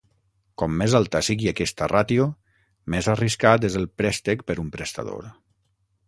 Com més alta sigui aquesta ràtio, més arriscat és el préstec per un prestador.